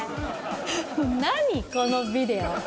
このビデオ。